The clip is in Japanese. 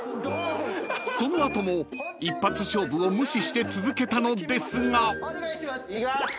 ［その後も一発勝負を無視して続けたのですが］いきます！